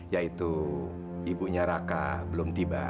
yaitu ibunya raka belum tiba